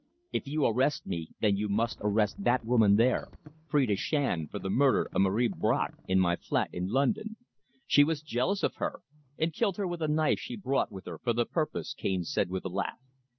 "If you arrest me, then you must arrest that woman there, Phrida Shand, for the murder of Marie Bracq in my flat in London. She was jealous of her and killed her with a knife she brought with her for the purpose," Cane said with a laugh.